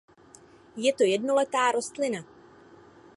Je to jednoletá rostlina.